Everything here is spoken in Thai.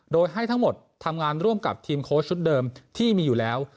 โดยให้ทั้งหมดทำงานร่วมกับทีมโค้ชชุดเดิมที่มีอยู่แล้ว